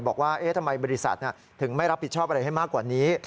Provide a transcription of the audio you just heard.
บอกว่าทำไมบริษัทถึงไม่รับผิดชอบอะไรให้มากกว่านี้